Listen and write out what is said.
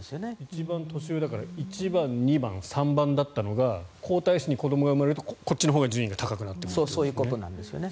一番年上だから１番、２番、３番だったのが皇太子に子どもが生まれるとこっちのほうが順位が高くなっていくんですね。